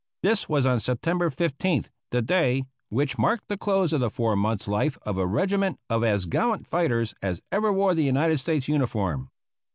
This was on September 15th, the day which marked the close of the four months' life of a regiment of as gallant fighters as ever wore the United States uniform.